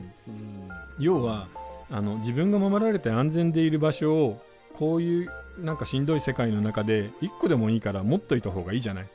要は自分が守られて安全でいる場所をこういうしんどい世界の中で一個でもいいから持っておいたほうがいいじゃない。